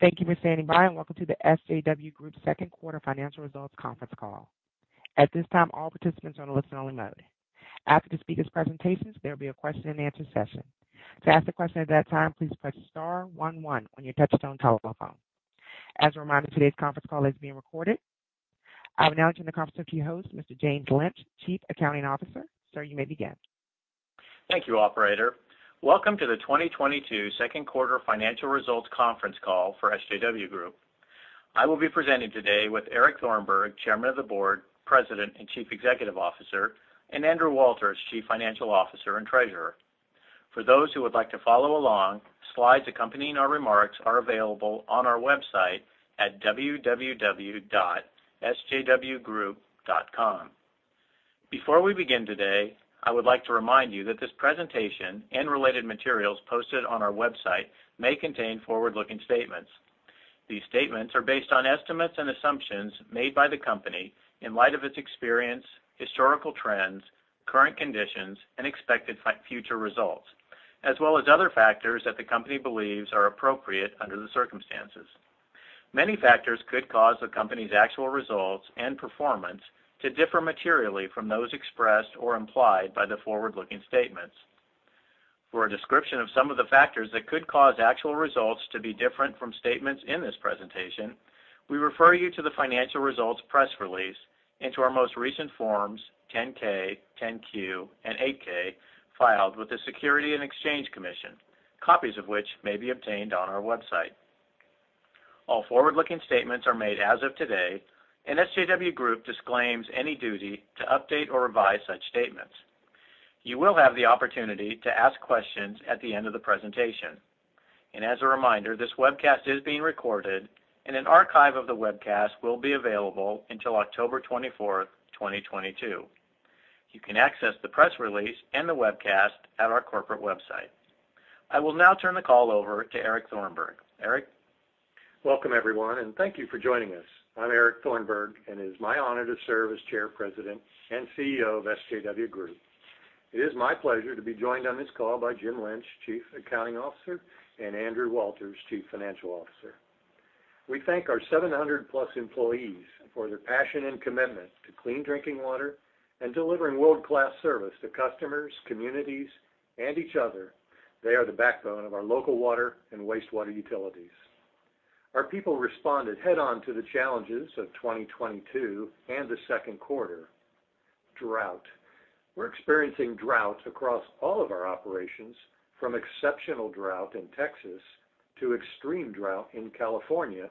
Thank you for standing by, and welcome to the SJW Group second quarter financial results conference call. At this time, all participants are in listen-only mode. After the speakers' presentations, there will be a question-and-answer session. To ask a question at that time, please press star one one on your touchtone telephone. As a reminder, today's conference call is being recorded. I will now turn the conference over to your host, Mr. James Lynch, Chief Accounting Officer. Sir, you may begin. Thank you, operator. Welcome to the 2022 second quarter financial results conference call for SJW Group. I will be presenting today with Eric Thornburg, Chairman of the Board, President, and Chief Executive Officer, and Andrew Walters, Chief Financial Officer and Treasurer. For those who would like to follow along, slides accompanying our remarks are available on our website at www.sjwgroup.com. Before we begin today, I would like to remind you that this presentation and related materials posted on our website may contain forward-looking statements. These statements are based on estimates and assumptions made by the company in light of its experience, historical trends, current conditions, and expected future results, as well as other factors that the company believes are appropriate under the circumstances. Many factors could cause the company's actual results and performance to differ materially from those expressed or implied by the forward-looking statements. For a description of some of the factors that could cause actual results to be different from statements in this presentation, we refer you to the financial results press release and to our most recent Forms 10-K, 10-Q, and 8-K filed with the Securities and Exchange Commission, copies of which may be obtained on our website. All forward-looking statements are made as of today, and SJW Group disclaims any duty to update or revise such statements. You will have the opportunity to ask questions at the end of the presentation. As a reminder, this webcast is being recorded and an archive of the webcast will be available until October 24, 2022. You can access the press release and the webcast at our corporate website. I will now turn the call over to Eric Thornburg. Eric? Welcome, everyone, and thank you for joining us. I'm Eric Thornburg, and it is my honor to serve as Chair, President, and CEO of SJW Group. It is my pleasure to be joined on this call by Jim Lynch, Chief Accounting Officer, and Andrew Walters, Chief Financial Officer. We thank our 700+ employees for their passion and commitment to clean drinking water and delivering world-class service to customers, communities, and each other. They are the backbone of our local water and wastewater utilities. Our people responded head-on to the challenges of 2022 and the second quarter. Drought. We're experiencing drought across all of our operations, from exceptional drought in Texas to extreme drought in California,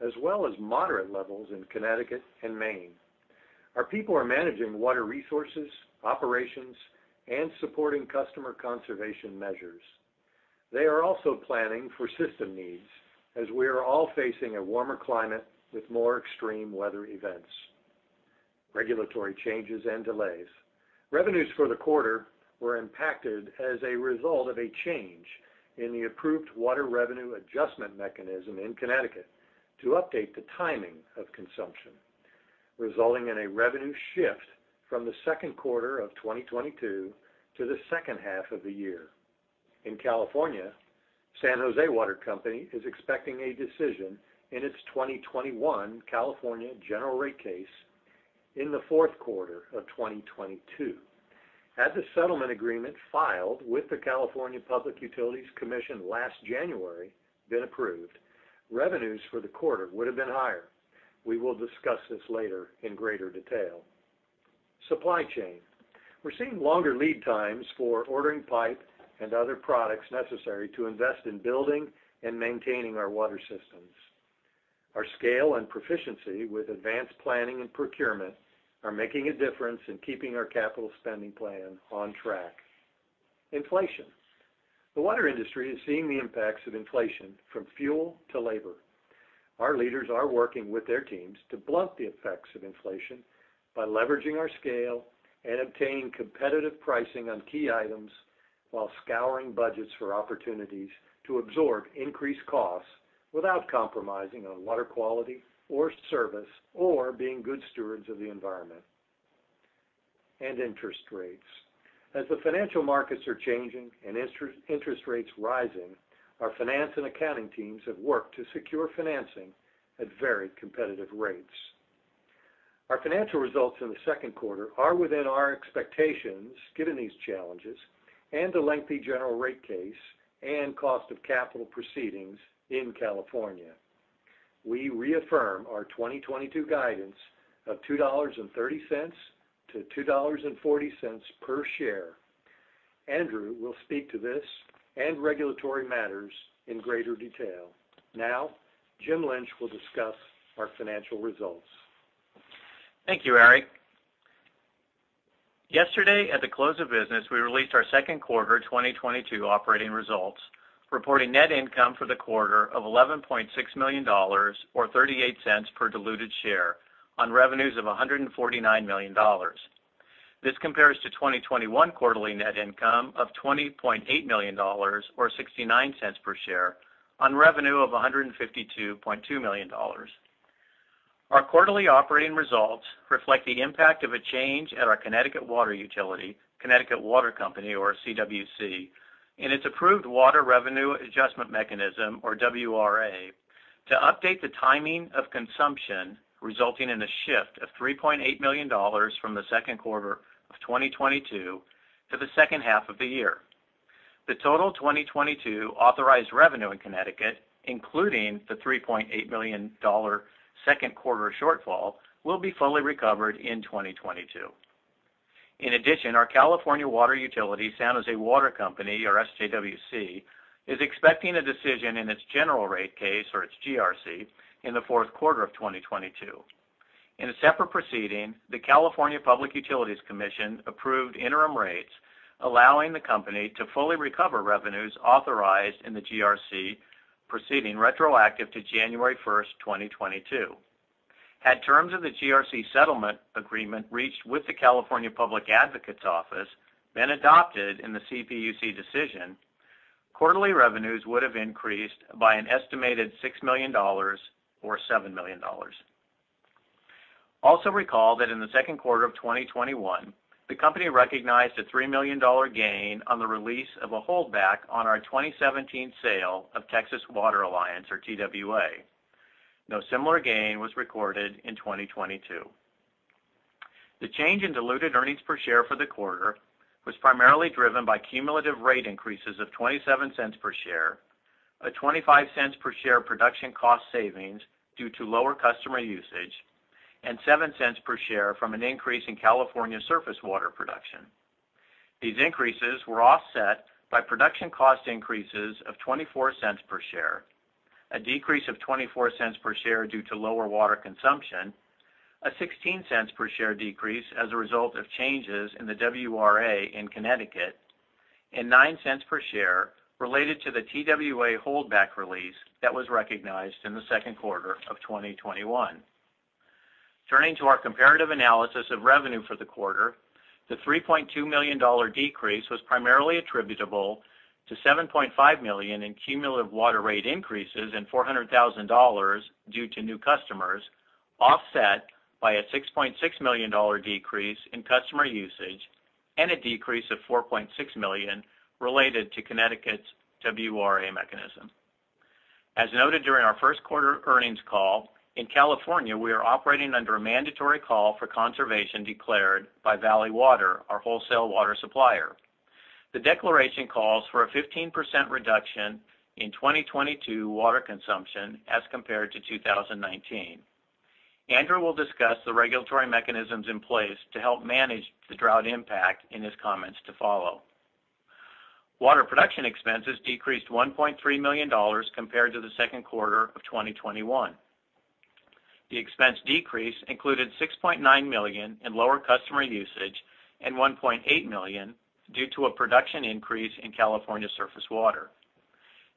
as well as moderate levels in Connecticut and Maine. Our people are managing water resources, operations, and supporting customer conservation measures. They are also planning for system needs as we are all facing a warmer climate with more extreme weather events. Regulatory changes and delays. Revenues for the quarter were impacted as a result of a change in the approved water revenue adjustment mechanism in Connecticut to update the timing of consumption, resulting in a revenue shift from the second quarter of 2022 to the second half of the year. In California, San Jose Water Company is expecting a decision in its 2021 California general rate case in the fourth quarter of 2022. Had the settlement agreement filed with the California Public Utilities Commission last January been approved, revenues for the quarter would have been higher. We will discuss this later in greater detail. Supply chain. We're seeing longer lead times for ordering pipe and other products necessary to invest in building and maintaining our water systems. Our scale and proficiency with advanced planning and procurement are making a difference in keeping our capital spending plan on track. Inflation. The water industry is seeing the impacts of inflation from fuel to labor. Our leaders are working with their teams to blunt the effects of inflation by leveraging our scale and obtaining competitive pricing on key items while scouring budgets for opportunities to absorb increased costs without compromising on water quality or service or being good stewards of the environment. Interest rates. As the financial markets are changing and interest rates rising, our finance and accounting teams have worked to secure financing at very competitive rates. Our financial results in the second quarter are within our expectations given these challenges and the lengthy general rate case and cost of capital proceedings in California. We reaffirm our 2022 guidance of $2.30-$2.40 per share. Andrew will speak to this and regulatory matters in greater detail. Now, James Lynch will discuss our financial results. Thank you, Eric. Yesterday, at the close of business, we released our second quarter 2022 operating results, reporting net income for the quarter of $11.6 million or $0.38 per diluted share on revenues of $149 million. This compares to 2021 quarterly net income of $20.8 million or $0.69 per share on revenue of $152.2 million. Our quarterly operating results reflect the impact of a change at our Connecticut water utility, Connecticut Water Company or CWC, in its approved Water Revenue Adjustment mechanism or WRA, to update the timing of consumption, resulting in a shift of $3.8 million from the second quarter of 2022 to the second half of the year. The total 2022 authorized revenue in Connecticut, including the $3.8 million second quarter shortfall, will be fully recovered in 2022. In addition, our California water utility, San Jose Water Company or SJWC, is expecting a decision in its general rate case or its GRC in the fourth quarter of 2022. In a separate proceeding, the California Public Utilities Commission approved interim rates, allowing the company to fully recover revenues authorized in the GRC proceeding retroactive to January 1st 2022. Had terms of the GRC settlement agreement reached with the Public Advocates Office been adopted in the CPUC decision, quarterly revenues would have increased by an estimated $6 million or $7 million. Also recall that in the second quarter of 2021, the company recognized a $3 million gain on the release of a holdback on our 2017 sale of Texas Water Alliance or TWA. No similar gain was recorded in 2022. The change in diluted earnings per share for the quarter was primarily driven by cumulative rate increases of $0.27 per share, a $0.25 per share production cost savings due to lower customer usage, and $0.07 per share from an increase in California surface water production. These increases were offset by production cost increases of $0.24 per share, a decrease of $0.24 per share due to lower water consumption, a 16 cents per share decrease as a result of changes in the WRA in Connecticut, and 9 cents per share related to the TWA holdback release that was recognized in the second quarter of 2021. Turning to our comparative analysis of revenue for the quarter, the $3.2 million decrease was primarily attributable to $7.5 million in cumulative water rate increases and $400,000 due to new customers, offset by a $6.6 million decrease in customer usage and a decrease of $4.6 million related to Connecticut's WRA mechanism. As noted during our first quarter earnings call, in California, we are operating under a mandatory call for conservation declared by Valley Water, our wholesale water supplier. The declaration calls for a 15% reduction in 2022 water consumption as compared to 2019. Andrew will discuss the regulatory mechanisms in place to help manage the drought impact in his comments to follow. Water production expenses decreased $1.3 million compared to the second quarter of 2021. The expense decrease included $6.9 million in lower customer usage and $1.8 million due to a production increase in California surface water.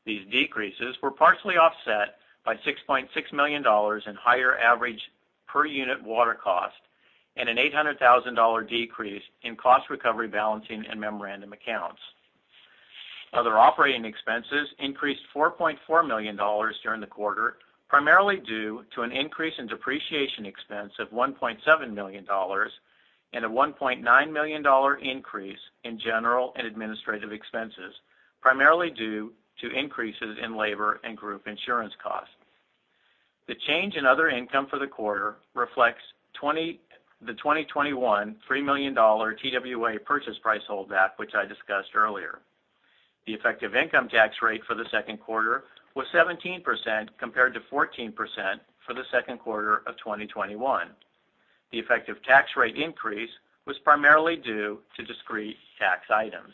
These decreases were partially offset by $6.6 million in higher average per unit water cost and an $800,000 decrease in cost recovery balancing and memorandum accounts. Other operating expenses increased $4.4 million during the quarter, primarily due to an increase in depreciation expense of $1.7 million and a $1.9 million increase in general and administrative expenses, primarily due to increases in labor and group insurance costs. The change in other income for the quarter reflects the 2021 $3 million TWA purchase price holdback, which I discussed earlier. The effective income tax rate for the second quarter was 17% compared to 14% for the second quarter of 2021. The effective tax rate increase was primarily due to discrete tax items.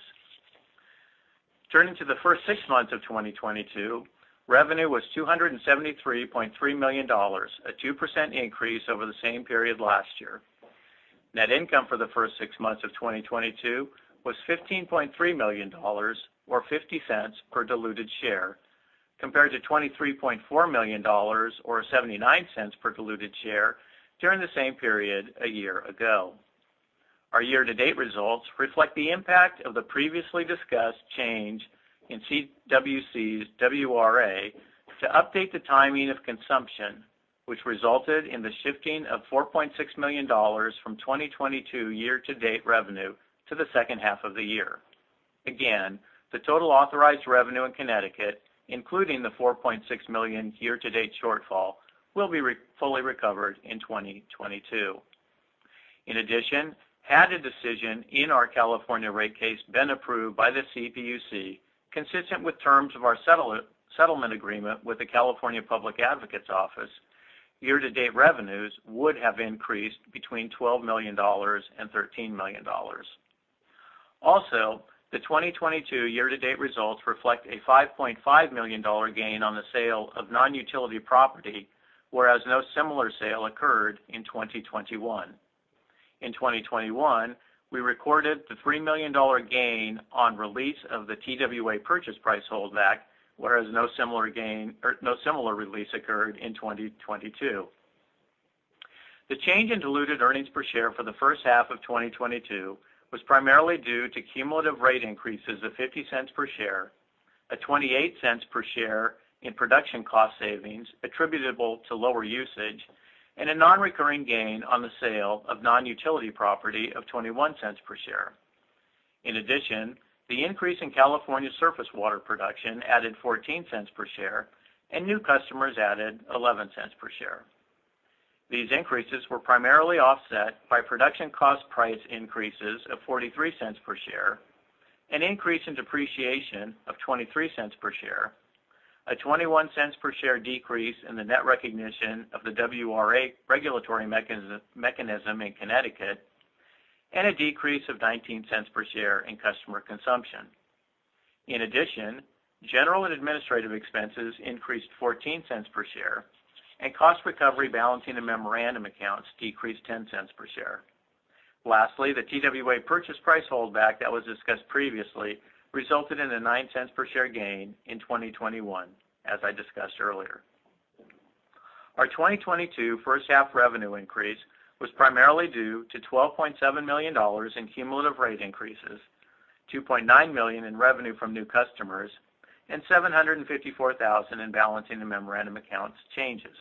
Turning to the first six months of 2022, revenue was $273.3 million, a 2% increase over the same period last year. Net income for the first six months of 2022 was $15.3 million or $0.50 per diluted share, compared to $23.4 million or $0.79 per diluted share during the same period a year ago. Our year-to-date results reflect the impact of the previously discussed change in CWC's WRA to update the timing of consumption, which resulted in the shifting of $4.6 million from 2022 year-to-date revenue to the second half of the year. Again, the total authorized revenue in Connecticut, including the $4.6 million year-to-date shortfall, will be fully recovered in 2022. In addition, had a decision in our California rate case been approved by the CPUC consistent with terms of our settlement agreement with the Public Advocates Office, year-to-date revenues would have increased between $12 million and $13 million. The 2022 year-to-date results reflect a $5.5 million gain on the sale of non-utility property, whereas no similar sale occurred in 2021. In 2021, we recorded the $3 million gain on release of the TWA purchase price holdback, whereas no similar gain or no similar release occurred in 2022. The change in diluted earnings per share for the first half of 2022 was primarily due to cumulative rate increases of $0.50 per share, a $0.28 per share in production cost savings attributable to lower usage, and a non-recurring gain on the sale of non-utility property of $0.21 per share. In addition, the increase in California surface water production added $0.14 per share and new customers added $0.11 per share. These increases were primarily offset by production cost price increases of $0.43 per share, an increase in depreciation of $0.23 per share, a 21 cents per share decrease in the net recognition of the WRA regulatory mechanism in Connecticut, and a decrease of $0.19 per share in customer consumption. In addition, general and administrative expenses increased $0.14 per share, and cost recovery balancing and memorandum accounts decreased $0.10 per share. Lastly, the TWA purchase price holdback that was discussed previously resulted in a $0.09 per share gain in 2021, as I discussed earlier. Our 2022 first half revenue increase was primarily due to $12.7 million in cumulative rate increases, $2.9 million in revenue from new customers, and $754,000 in balancing the memorandum accounts changes.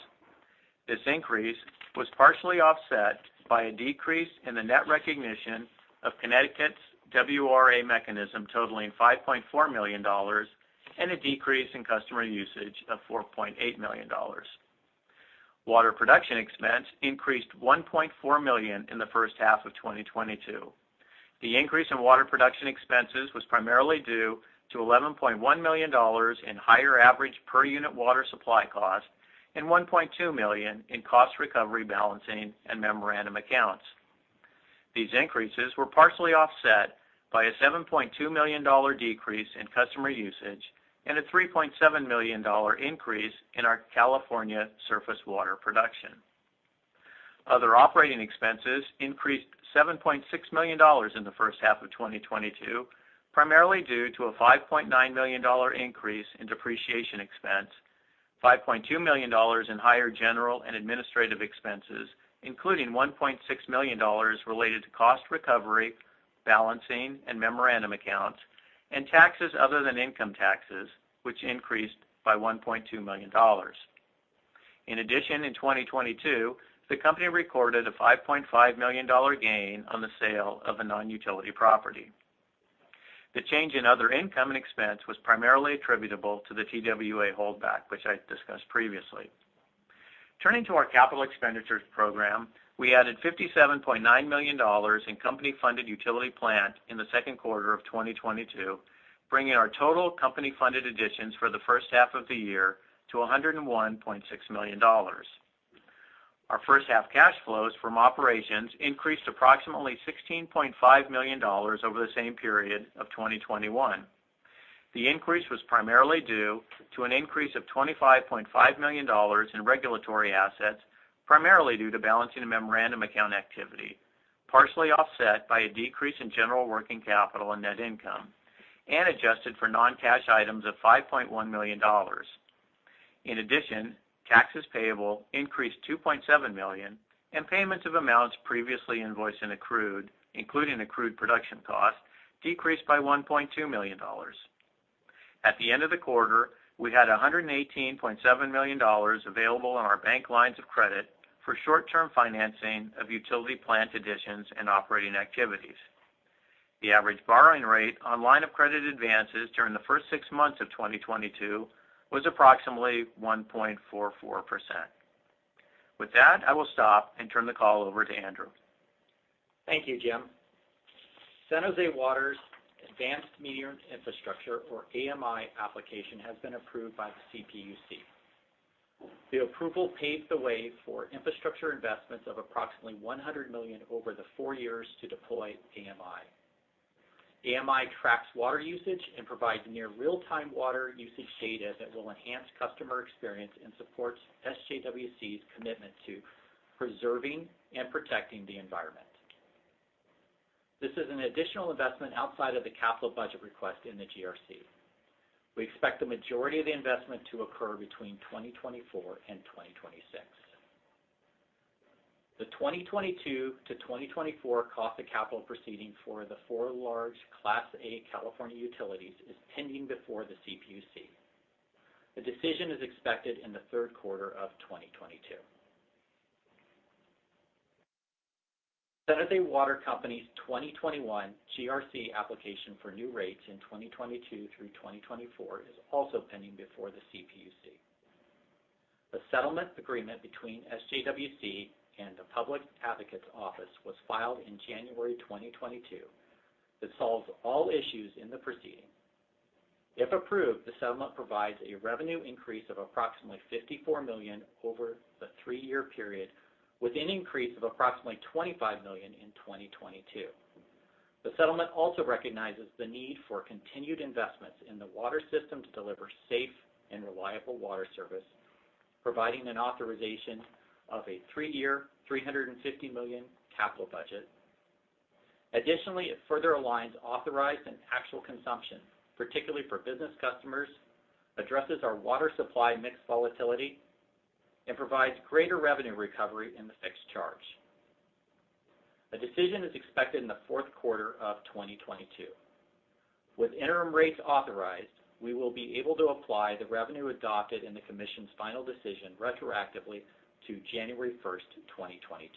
This increase was partially offset by a decrease in the net recognition of Connecticut's WRA mechanism totaling $5.4 million and a decrease in customer usage of $4.8 million. Water production expense increased $1.4 million in the first half of 2022. The increase in water production expenses was primarily due to $11.1 million in higher average per unit water supply cost and $1.2 million in cost recovery balancing and memorandum accounts. These increases were partially offset by a $7.2 million decrease in customer usage and a $3.7 million increase in our California surface water production. Other operating expenses increased $7.6 million in the first half of 2022, primarily due to a $5.9 million increase in depreciation expense, $5.2 million in higher general and administrative expenses, including $1.6 million related to cost recovery, balancing, and memorandum accounts, and taxes other than income taxes, which increased by $1.2 million. In addition, in 2022, the company recorded a $5.5 million gain on the sale of a non-utility property. The change in other income and expense was primarily attributable to the TWA holdback, which I discussed previously. Turning to our capital expenditures program, we added $57.9 million in company-funded utility plant in the second quarter of 2022, bringing our total company-funded additions for the first half of the year to $101.6 million. Our first half cash flows from operations increased approximately $16.5 million over the same period of 2021. The increase was primarily due to an increase of $25.5 million in regulatory assets, primarily due to balancing and memorandum account activity, partially offset by a decrease in general working capital and net income, and adjusted for non-cash items of $5.1 million. In addition, taxes payable increased $2.7 million, and payments of amounts previously invoiced and accrued, including accrued production costs, decreased by $1.2 million. At the end of the quarter, we had $118.7 million available on our bank lines of credit for short-term financing of utility plant additions and operating activities. The average borrowing rate on line of credit advances during the first six months of 2022 was approximately 1.44%. With that, I will stop and turn the call over to Andrew. Thank you, Jim. San Jose Water's Advanced Metering Infrastructure, or AMI application, has been approved by the CPUC. The approval paves the way for infrastructure investments of approximately $100 million over the four years to deploy AMI. AMI tracks water usage and provides near real-time water usage data that will enhance customer experience and supports SJWC's commitment to preserving and protecting the environment. This is an additional investment outside of the capital budget request in the GRC. We expect the majority of the investment to occur between 2024 and 2026. The 2022 to 2024 cost of capital proceeding for the four large Class A California utilities is pending before the CPUC. The decision is expected in the third quarter of 2022. San Jose Water Company's 2021 GRC application for new rates in 2022 through 2024 is also pending before the CPUC. The settlement agreement between SJWC and the Public Advocates Office was filed in January 2022 that solves all issues in the proceeding. If approved, the settlement provides a revenue increase of approximately $54 million over the three-year period, with an increase of approximately $25 million in 2022. The settlement also recognizes the need for continued investments in the water system to deliver safe and reliable water service, providing an authorization of a three-year, $350 million capital budget. Additionally, it further aligns authorized and actual consumption, particularly for business customers, addresses our water supply mix volatility, and provides greater revenue recovery in the fixed charge. A decision is expected in the fourth quarter of 2022. With interim rates authorized, we will be able to apply the revenue adopted in the commission's final decision retroactively to January 1st 2022.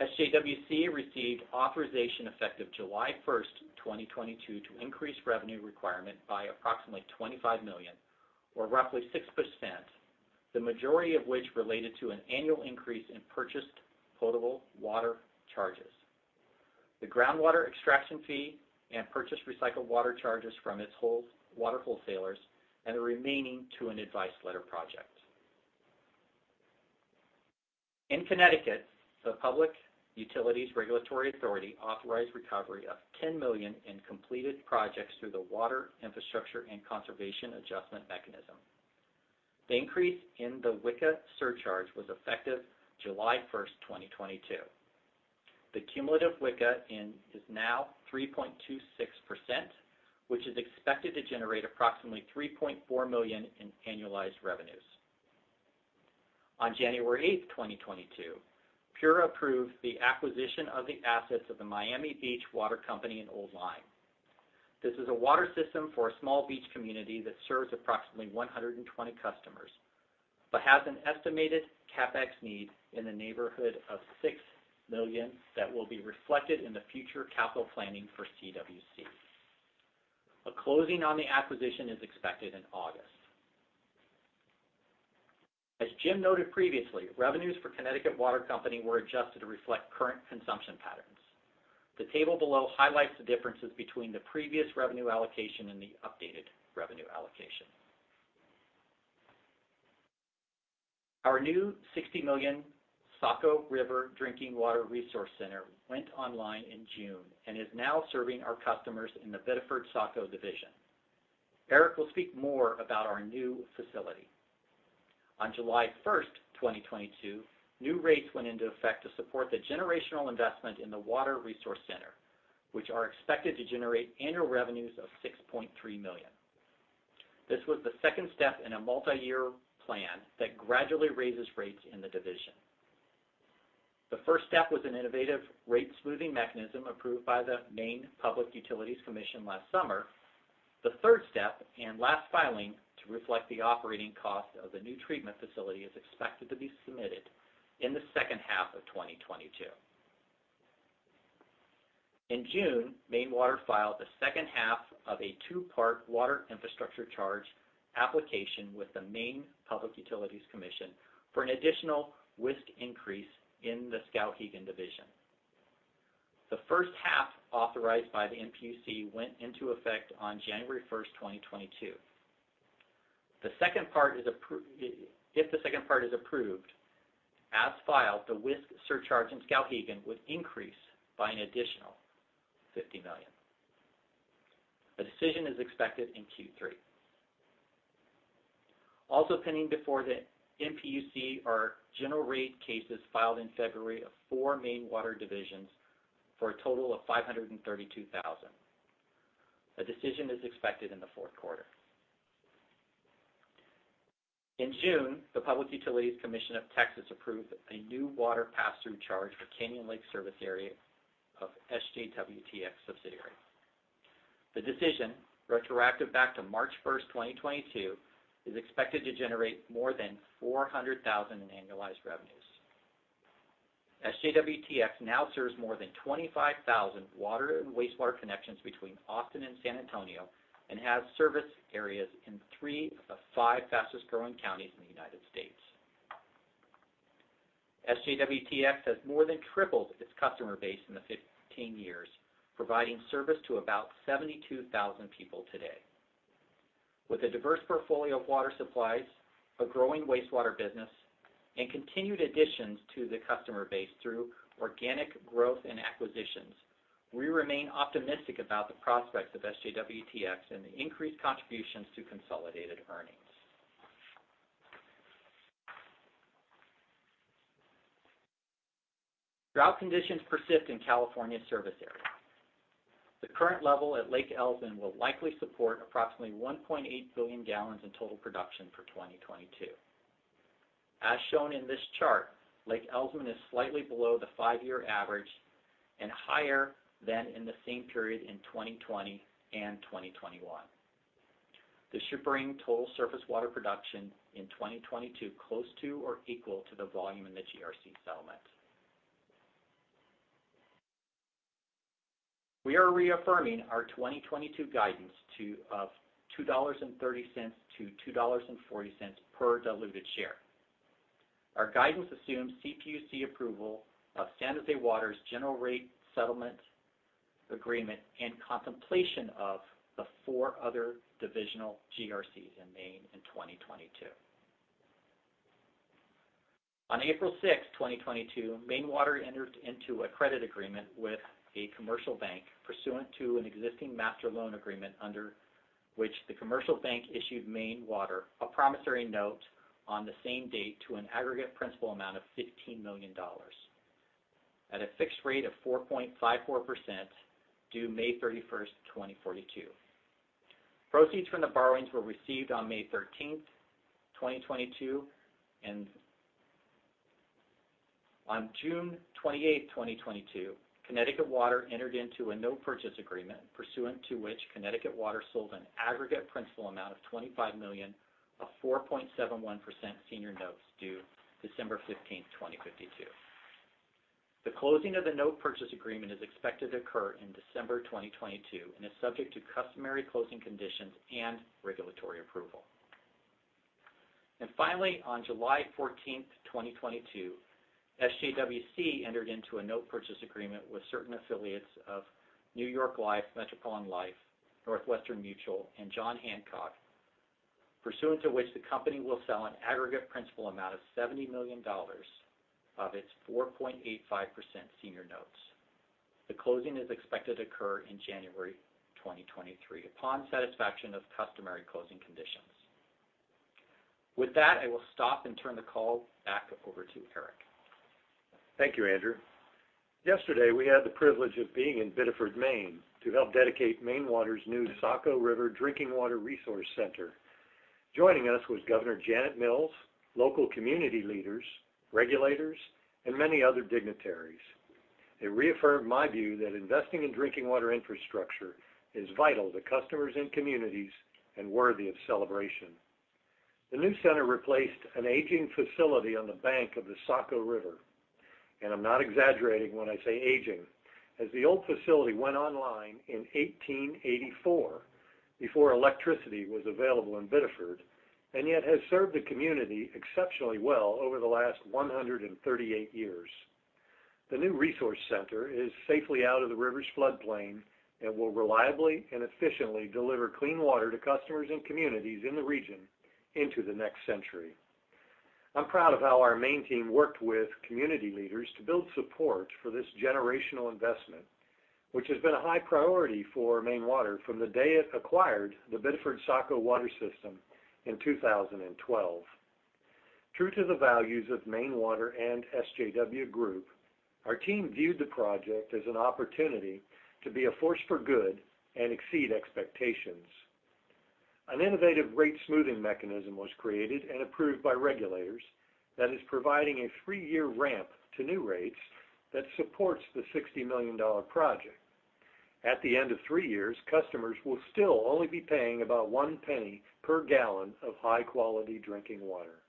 SJWC received authorization effective July 1st 2022, to increase revenue requirement by approximately $25 million or roughly 6%, the majority of which related to an annual increase in purchased potable water charges. The groundwater extraction fee and purchased recycled water charges from its water wholesalers and the remaining to an advice letter project. In Connecticut, the Public Utilities Regulatory Authority authorized recovery of $10 million in completed projects through the Water Infrastructure and Conservation Adjustment mechanism. The increase in the WICA surcharge was effective July 1st 2022. The cumulative WICA is now 3.26%, which is expected to generate approximately $3.4 million in annualized revenues. On January 8, 2022, PURA approved the acquisition of the assets of the Miami Beach Water Company in Old Lyme. This is a water system for a small beach community that serves approximately 120 customers but has an estimated CapEx need in the neighborhood of $6 million that will be reflected in the future capital planning for CWC. A closing on the acquisition is expected in August. As Jim noted previously, revenues for Connecticut Water Company were adjusted to reflect current consumption patterns. The table below highlights the differences between the previous revenue allocation and the updated revenue allocation. Our new $60 million Saco River Drinking Water Resource Center went online in June and is now serving our customers in the Biddeford Saco division. Eric will speak more about our new facility. On July 1st 2022, new rates went into effect to support the generational investment in the Water Resource Center, which are expected to generate annual revenues of $6.3 million. This was the second step in a multiyear plan that gradually raises rates in the division. The first step was an innovative rate smoothing mechanism approved by the Maine Public Utilities Commission last summer. The third step and last filing to reflect the operating cost of the new treatment facility is expected to be submitted in the second half of 2022. In June, Maine Water filed the second half of a two-part water infrastructure charge application with the Maine Public Utilities Commission for an additional WISC increase in the Skowhegan division. The first half authorized by the MPUC went into effect on January 1st 2022. If the second part is approved, as filed, the WISC surcharge in Skowhegan would increase by an additional $50 million. A decision is expected in Q3. Pending before the MPUC are general rate cases filed in February for four Maine Water divisions for a total of $532,000. A decision is expected in the fourth quarter. In June, the Public Utility Commission of Texas approved a new water pass-through charge for Canyon Lake service area of SJWTX subsidiary. The decision, retroactive back to March 1st 2022, is expected to generate more than $400,000 in annualized revenues. SJWTX now serves more than 25,000 water and wastewater connections between Austin and San Antonio and has service areas in three of the five fastest-growing counties in the United States. SJWTX has more than tripled its customer base in the 15 years, providing service to about 72,000 people today. With a diverse portfolio of water supplies, a growing wastewater business, and continued additions to the customer base through organic growth and acquisitions, we remain optimistic about the prospects of SJWTX and the increased contributions to consolidated earnings. Drought conditions persist in California service area. The current level at Lake Elsman will likely support approximately 1.8 billion gallons in total production for 2022. As shown in this chart, Lake Elsman is slightly below the five-year average and higher than in the same period in 2020 and 2021. This should bring total surface water production in 2022 close to or equal to the volume in the GRC settlement. We are reaffirming our 2022 guidance of $2.30-$2.40 per diluted share. Our guidance assumes CPUC approval of San Jose Water's general rate settlement agreement and contemplation of the four other divisional GRCs in Maine in 2022. On April 6, 2022, Maine Water entered into a credit agreement with a commercial bank pursuant to an existing master loan agreement under which the commercial bank issued Maine Water a promissory note on the same date to an aggregate principal amount of $15 million at a fixed rate of 4.54% due May 31st 2042. Proceeds from the borrowings were received on May 13, 2022, and on June 28, 2022, Connecticut Water entered into a note purchase agreement pursuant to which Connecticut Water sold an aggregate principal amount of $25 million of 4.71% senior notes due December 15, 2052. The closing of the note purchase agreement is expected to occur in December 2022 and is subject to customary closing conditions and regulatory approval. Finally, on July 14, 2022, SJWC entered into a note purchase agreement with certain affiliates of New York Life, Metropolitan Life, Northwestern Mutual and John Hancock, pursuant to which the company will sell an aggregate principal amount of $70 million of its 4.85% senior notes. The closing is expected to occur in January 2023 upon satisfaction of customary closing conditions. With that, I will stop and turn the call back over to Eric. Thank you, Andrew. Yesterday, we had the privilege of being in Biddeford, Maine to help dedicate The Maine Water Company's new Saco River Drinking Water Resource Center. Joining us was Governor Janet Mills, local community leaders, regulators, and many other dignitaries. It reaffirmed my view that investing in drinking water infrastructure is vital to customers and communities and worthy of celebration. The new center replaced an aging facility on the bank of the Saco River, and I'm not exaggerating when I say aging, as the old facility went online in 1884 before electricity was available in Biddeford, and yet has served the community exceptionally well over the last 138 years. The new resource center is safely out of the river's floodplain and will reliably and efficiently deliver clean water to customers and communities in the region into the next century. I'm proud of how our Maine team worked with community leaders to build support for this generational investment, which has been a high priority for Maine Water from the day it acquired the Biddeford and Saco Water Company in 2012. True to the values of Maine Water and SJW Group, our team viewed the project as an opportunity to be a force for good and exceed expectations. An innovative rate smoothing mechanism was created and approved by regulators that is providing a three-year ramp to new rates that supports the $60 million project. At the end of three years, customers will still only be paying about $0.01 per gallon of high-quality drinking water.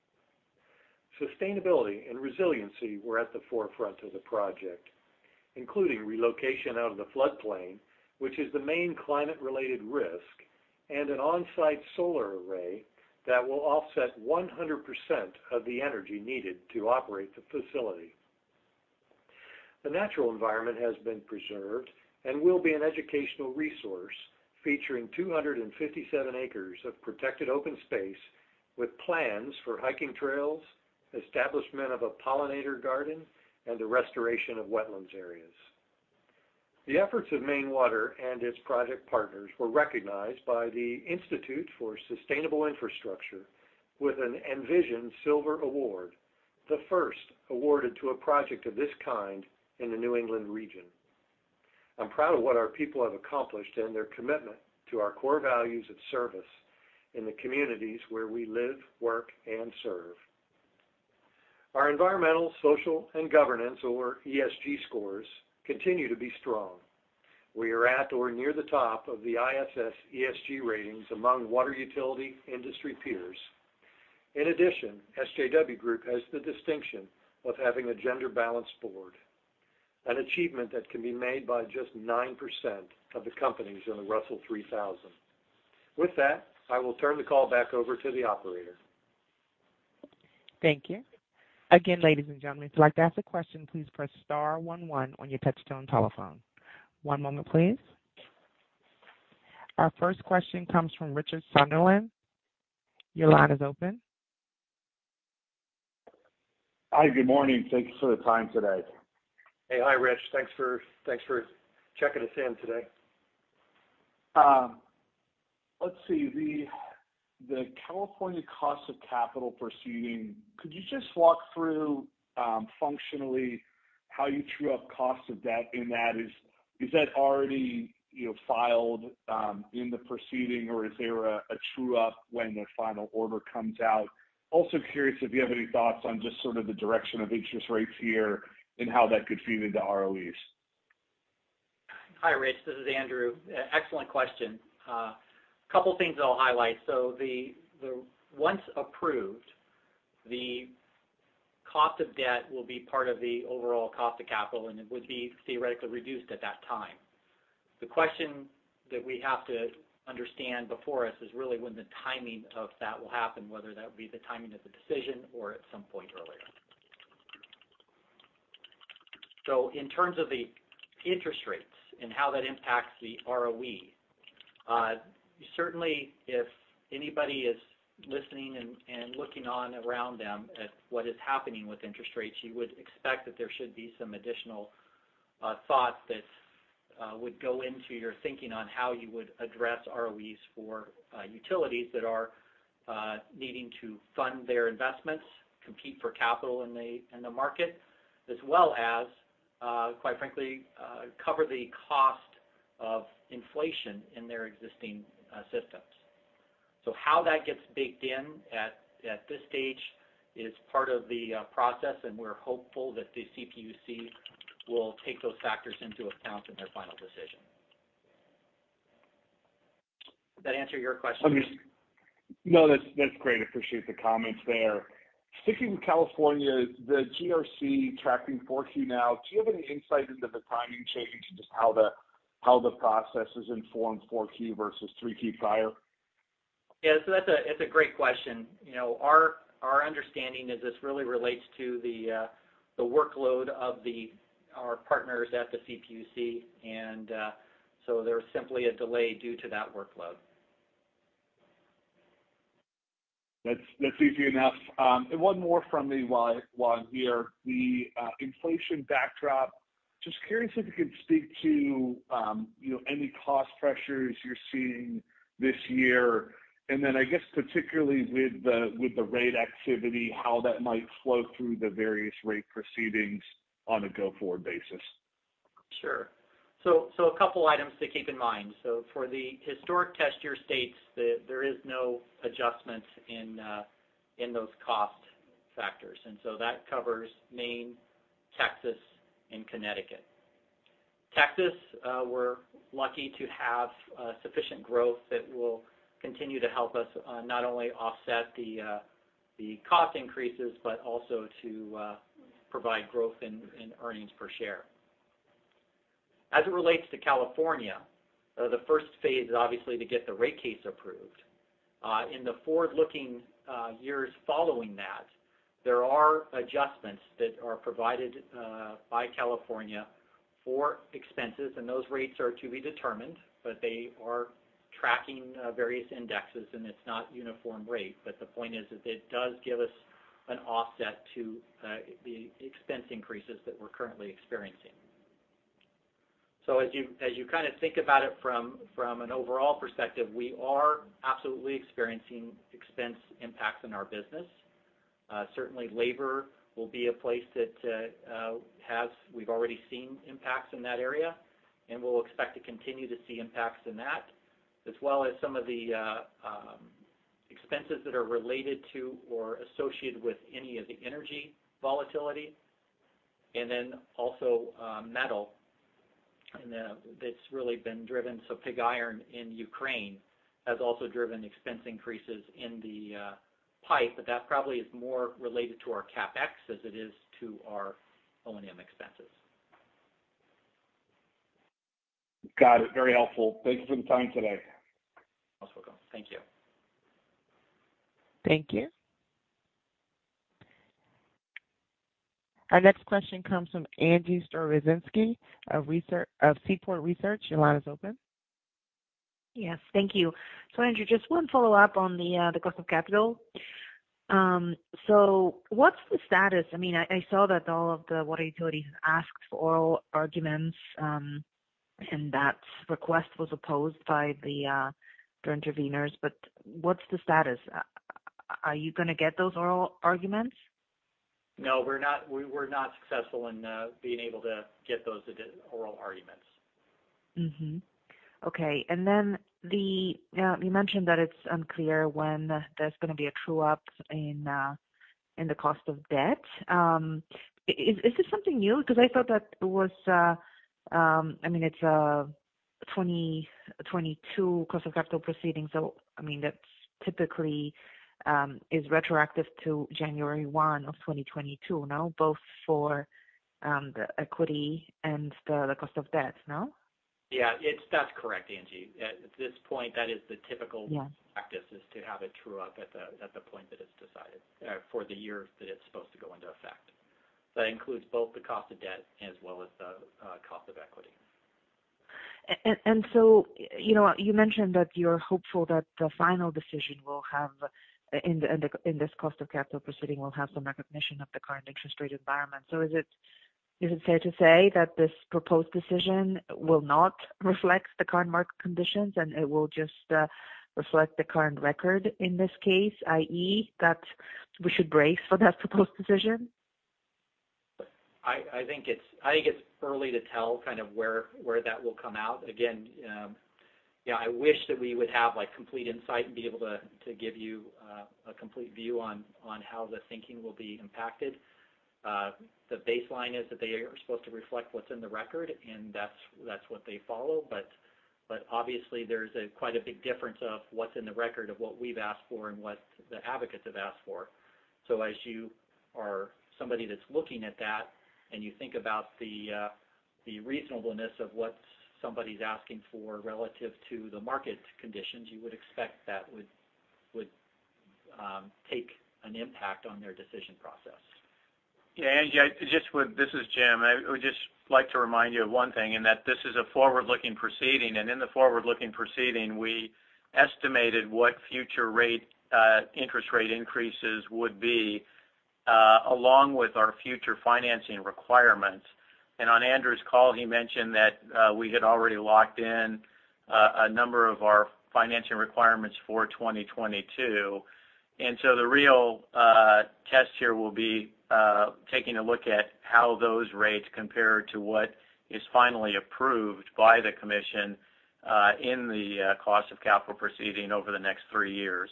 Sustainability and resiliency were at the forefront of the project, including relocation out of the floodplain, which is the main climate-related risk, and an on-site solar array that will offset 100% of the energy needed to operate the facility. The natural environment has been preserved and will be an educational resource featuring 257 acres of protected open space with plans for hiking trails, establishment of a pollinator garden, and the restoration of wetlands areas. The efforts of Maine Water and its project partners were recognized by the Institute for Sustainable Infrastructure with an Envision Silver Award, the first awarded to a project of this kind in the New England region. I'm proud of what our people have accomplished and their commitment to our core values of service in the communities where we live, work, and serve. Our environmental, social, and governance, or ESG scores, continue to be strong. We are at or near the top of the ISS ESG ratings among water utility industry peers. In addition, SJW Group has the distinction of having a gender-balanced board, an achievement that can be made by just 9% of the companies in the Russell 3000. With that, I will turn the call back over to the operator. Thank you. Again, ladies and gentlemen, if you'd like to ask a question, please press star one one on your touch-tone telephone. One moment, please. Our first question comes from Richard Sunderland. Your line is open. Hi, Good morning. Thanks for the time today. Hey. Hi, Rich. Thanks for checking us in today. Let's see, the California cost of capital proceeding, could you just walk through functionally how you true up cost of debt in that? Is that already, you know, filed in the proceeding, or is there a true up when the final order comes out? Also curious if you have any thoughts on just sort of the direction of interest rates here and how that could feed into ROEs. Hi, Rich. This is Andrew. Excellent question. Couple things that I'll highlight. Once approved, the cost of debt will be part of the overall cost of capital, and it would be theoretically reduced at that time. The question that we have to understand before us is really when the timing of that will happen, whether that be the timing of the decision or at some point earlier. In terms of the interest rates and how that impacts the ROE, certainly if anybody is listening and looking around them at what is happening with interest rates, you would expect that there should be some additional thoughts that would go into your thinking on how you would address ROEs for utilities that are needing to fund their investments, compete for capital in the market, as well as quite frankly cover the cost of inflation in their existing systems. How that gets baked in at this stage is part of the process, and we're hopeful that the CPUC will take those factors into account in their final decision. Does that answer your question? No, that's great. Appreciate the comments there. Sticking with California, the GRC tracking 4Q now, do you have any insight into the timing change and just how the process has informed 4Q versus 3Q prior? Yeah. It's a great question. You know, our understanding is this really relates to the workload of our partners at the CPUC. There was simply a delay due to that workload. That's easy enough. One more from me while I'm here. The inflation backdrop, just curious if you could speak to, you know, any cost pressures you're seeing this year. I guess, particularly with the rate activity, how that might flow through the various rate proceedings on a go-forward basis. Sure. A couple items to keep in mind. For the historic test year states, there is no adjustments in those cost factors. That covers Maine, Texas, and Connecticut. Texas, we're lucky to have sufficient growth that will continue to help us not only offset the cost increases, but also to provide growth in earnings per share. As it relates to California, the first phase is obviously to get the rate case approved. In the forward-looking years following that, there are adjustments that are provided by California for expenses, and those rates are to be determined. But they are tracking various indexes, and it's not uniform rate. But the point is that it does give us an offset to the expense increases that we're currently experiencing. As you kind of think about it from an overall perspective, we are absolutely experiencing expense impacts in our business. Certainly labor will be a place that we've already seen impacts in that area, and we'll expect to continue to see impacts in that, as well as some of the expenses that are related to or associated with any of the energy volatility. Metal, and that's really been driven. Pig iron in Ukraine has also driven expense increases in the pipe, but that probably is more related to our CapEx as it is to our O&M expenses. Got it. Very helpful. Thank you for the time today. Most welcome. Thank you. Thank you. Our next question comes from Agnieszka Storozynski of Seaport Research. Your line is open. Yes. Thank you. Andrew, just one follow-up on the cost of capital. What's the status? I mean, I saw that all of the water utilities asked for oral arguments, and that request was opposed by the interveners. What's the status? Are you gonna get those oral arguments? No, we're not. We were not successful in being able to get those oral arguments. Okay. You mentioned that it's unclear when there's gonna be a true up in the cost of debt. Is this something new? Because I thought that it was, I mean, it's a 2022 cost of capital proceeding. I mean, that's typically is retroactive to January 1 of 2022 now, both for the equity and the cost of debt, no? Yeah. That's correct, Angie. At this point, that is the typical- Yeah. Is to have it true up at the point that it's decided, for the year that it's supposed to go into effect. That includes both the cost of debt as well as the cost of equity. You know, you mentioned that you're hopeful that the final decision will have in this cost of capital proceeding some recognition of the current interest rate environment. Is it fair to say that this proposed decision will not reflect the current market conditions and it will just reflect the current record in this case, i.e., that we should brace for that proposed decision? I think it's early to tell kind of where that will come out. Again, you know, I wish that we would have like complete insight and be able to give you a complete view on how the thinking will be impacted. The baseline is that they are supposed to reflect what's in the record, and that's what they follow. Obviously there's quite a big difference of what's in the record and what we've asked for and what the advocates have asked for. As you are somebody that's looking at that and you think about the reasonableness of what somebody's asking for relative to the market conditions, you would expect that would have an impact on their decision process. Yeah, Angie, this is Jim. I would just like to remind you of one thing, in that this is a forward-looking proceeding. In the forward-looking proceeding, we estimated what future rate interest rate increases would be, along with our future financing requirements. On Andrew's call, he mentioned that we had already locked in a number of our financial requirements for 2022. The real test here will be taking a look at how those rates compare to what is finally approved by the commission in the cost of capital proceeding over the next three years.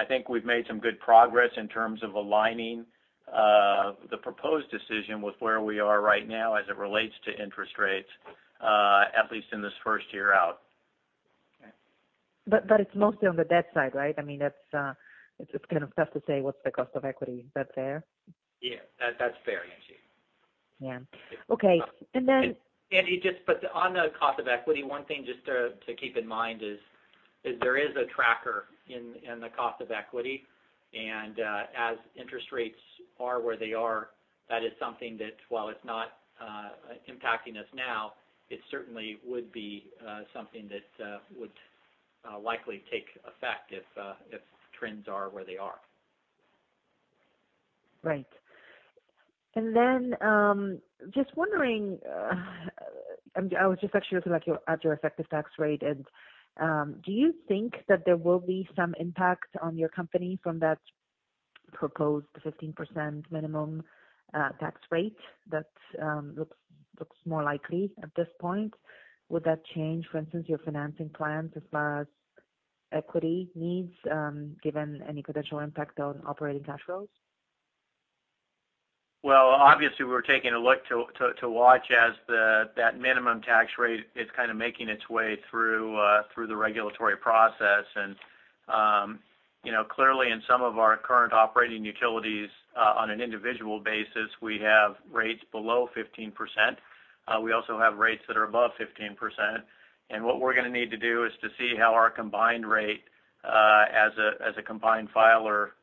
I think we've made some good progress in terms of aligning the proposed decision with where we are right now as it relates to interest rates, at least in this first year out. It's mostly on the debt side, right? I mean, that's, it's just kind of tough to say what's the cost of equity. Is that fair? Yeah, that's fair, Angie. Yeah. Okay. Angie, just but on the cost of equity, one thing just to keep in mind is there is a tracker in the cost of equity. As interest rates are where they are, that is something that while it's not impacting us now, it certainly would be something that would likely take effect if trends are where they are. Right. Just wondering, I was just actually looking at your effective tax rate. Do you think that there will be some impact on your company from that proposed 15% minimum tax rate that looks more likely at this point? Would that change, for instance, your financing plans as far as equity needs, given any potential impact on operating cash flows? Well, obviously, we're taking a look to watch as that minimum tax rate is kind of making its way through the regulatory process. You know, clearly in some of our current operating utilities, on an individual basis, we have rates below 15%. We also have rates that are above 15%. What we're gonna need to do is to see how our combined rate, as a combined filer,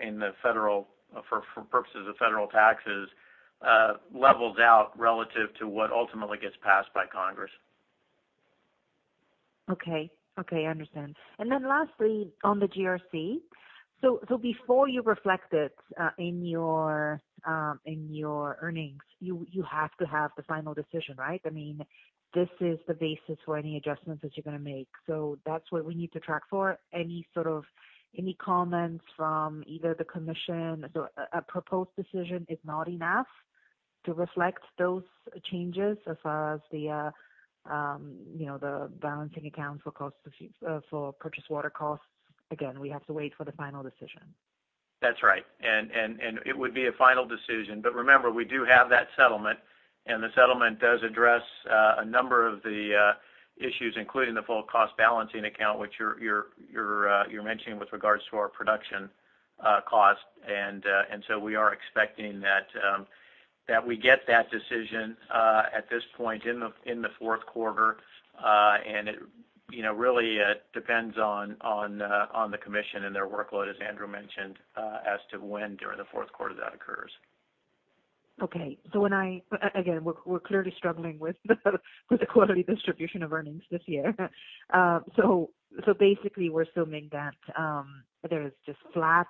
in the federal, for purposes of federal taxes, levels out relative to what ultimately gets passed by Congress. Okay. I understand. Lastly, on the GRC. Before you reflect it in your earnings, you have to have the final decision, right? I mean, this is the basis for any adjustments that you're gonna make. That's what we need to track for. Any sort of comments from either the commission or a proposed decision is not enough to reflect those changes as far as, you know, the balancing accounts for purchase water costs. Again, we have to wait for the final decision. That's right. It would be a final decision. Remember, we do have that settlement, and the settlement does address a number of the issues, including the full cost balancing account, which you're mentioning with regards to our production cost. We are expecting that we get that decision at this point in the fourth quarter. It, you know, really depends on the commission and their workload, as Andrew mentioned as to when during the fourth quarter that occurs. We're clearly struggling with the quality distribution of earnings this year. Basically, we're assuming that there is just flat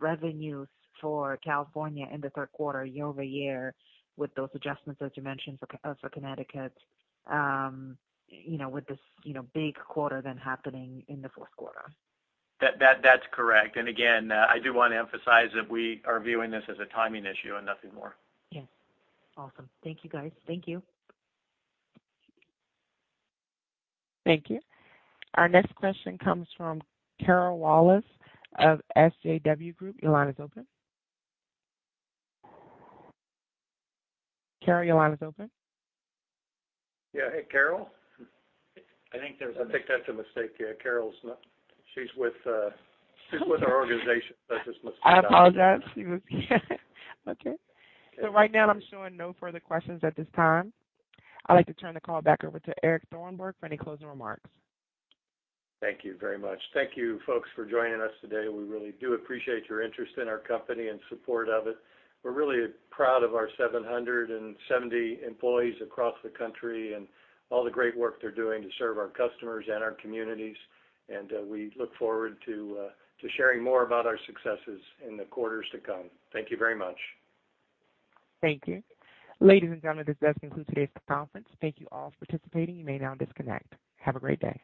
revenues for California in the third quarter year-over-year with those adjustments, as you mentioned, for Connecticut, you know, with this big quarter then happening in the fourth quarter. That's correct. Again, I do wanna emphasize that we are viewing this as a timing issue and nothing more. Yes. Awesome. Thank you, guys. Thank you. Thank you. Our next question comes from Carol Wallace of SJW Group. Your line is open. Carol, your line is open. Yeah, hey, Carol? I think there's. I think that's a mistake. Yeah, Carol's not. She's with our organization. That's just a mistake. I apologize. Right now I'm showing no further questions at this time. I'd like to turn the call back over to Eric Thornburg for any closing remarks. Thank you very much. Thank you, folks, for joining us today. We really do appreciate your interest in our company and support of it. We're really proud of our 770 employees across the country and all the great work they're doing to serve our customers and our communities. We look forward to sharing more about our successes in the quarters to come. Thank you very much. Thank you. Ladies and gentlemen, this does conclude today's conference. Thank you all for participating. You may now disconnect. Have a great day.